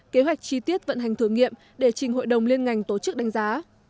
kế hoạch chi tiết vận hành thử nghiệm để trình hội đồng liên ngành tổ chức đánh giá